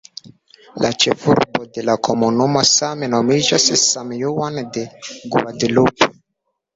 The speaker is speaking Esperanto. La ĉefurbo de la komunumo same nomiĝas "San Juan de Guadalupe".